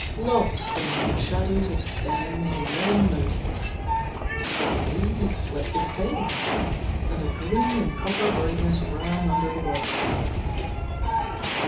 Lost among the shadows of stems He lay unnoticed. Suddenly he flicked his tail, And a green and copper brightness Ran under the water.